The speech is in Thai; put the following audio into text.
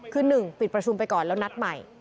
คือ๑ปิดประชุมไปก่อนแล้วนัดใหม่